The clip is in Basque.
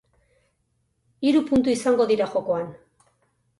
Hiru puntu izango dira jokoan.